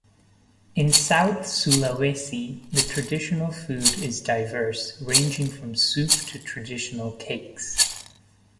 In South Sulawesi, the traditional food is diverse, ranging from soup to traditional cakes.